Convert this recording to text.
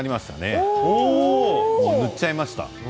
見入っちゃいました。